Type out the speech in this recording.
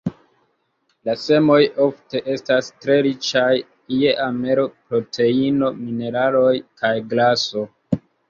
La semoj ofte estas tre riĉaj je amelo, proteino, mineraloj kaj graso.